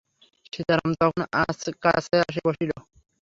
সীতারাম তখন কাছে আসিয়া বসিল।